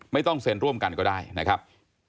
ไม่ต้องเซ็นร่วมกันก็ได้นะครับ